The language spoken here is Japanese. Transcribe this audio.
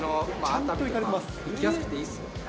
熱海とか行きやすくていいですよ。